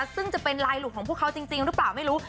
ซึ่งจะเป็นลายหลุดของพวกเขาจริงหรือเปล่าไม่รู้